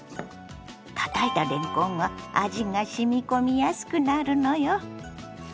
たたいたれんこんは味がしみ込みやすくなるのよ。